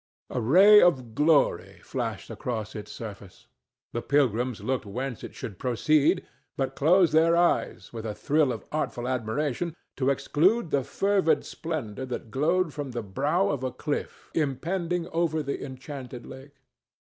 A ray of glory flashed across its surface. The pilgrims looked whence it should proceed, but closed their eyes, with a thrill of awful admiration, to exclude the fervid splendor that glowed from the brow of a cliff impending over the enchanted lake.